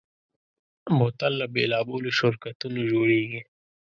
بوتل له بېلابېلو شرکتونو جوړېږي.